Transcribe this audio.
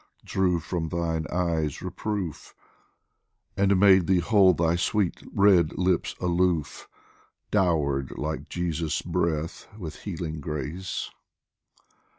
drew from thine eyes reproof, And made thee hold thy sweet red lips aloof, Dowered, like Jesus' breath, with healing grace